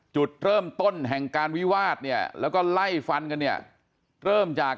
จุดเริ่มต้นแห่งการวิวาสเนี่ยแล้วก็ไล่ฟันกันเนี่ยเริ่มจาก